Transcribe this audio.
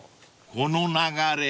［この流れ］